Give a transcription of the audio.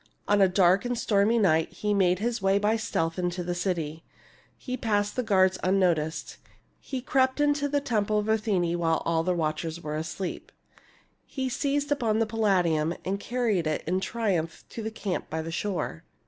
On a dark and stormy night he made his way by stealth into the city ; he passed the guards unnoticed ; he crept into the temple of Athene while all the watchers were asleep ; he seized upon the Palladium and carried it in triumph to the camp by the shore.